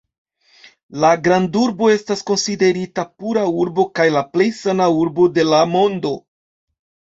La grandurbo estas konsiderita pura urbo kaj la plej sana urbo de la mondo.